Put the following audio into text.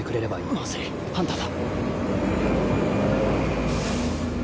まずいハンターだ。